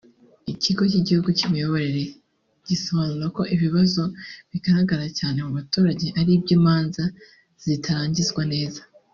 Ikigo cy’Igihugu cy’Imiyoborere gisobanura ko ibibazo bigaragara cyane mu baturage ari iby’imanza zitarangizwa neza